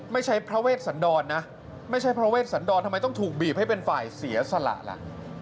ไม่ใช่พระเวชสันดรนะไม่ใช่พระเวชสันดรทำไมต้องถูกบีบให้เป็นฝ่ายเสียสละล่ะ